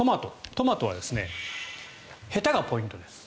トマトはへたがポイントです。